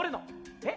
えっ？